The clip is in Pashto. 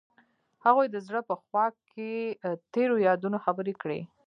هغوی د زړه په خوا کې تیرو یادونو خبرې کړې.